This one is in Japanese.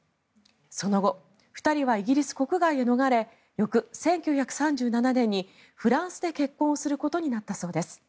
その後２人はイギリス国外へ逃れ翌１９３７年にフランスで結婚をすることになったそうです。